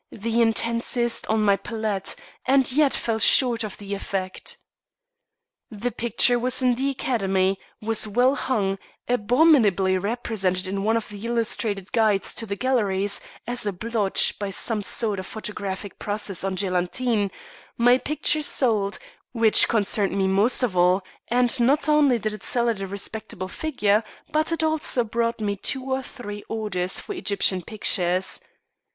the intensest on my palette, and yet fell short of the effect. The picture was in the Academy, was well hung, abominably represented in one of the illustrated guides to the galleries, as a blotch, by some sort of photographic process on gelatine; my picture sold, which concerned me most of all, and not only did it sell at a respectable figure, but it also brought me two or three orders for Egyptian pictures.